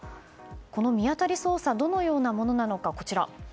この見当たり捜査とはどのようなものなのか。